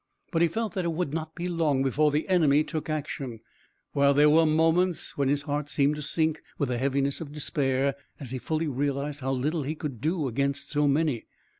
But he felt that it would not be long before the enemy took action, while there were moments when his heart seemed to sink with the heaviness of despair, as he fully realised how little he could do against so many.